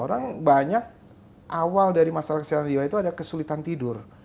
orang banyak awal dari masalah kesehatan jiwa itu ada kesulitan tidur